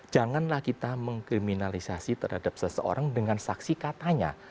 janganlah kita mengkriminalisasi terhadap seseorang dengan saksi katanya